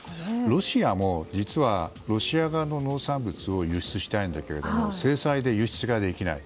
ロシアも実は、ロシア側の農産物を輸出したいんですけど制裁で輸出できない。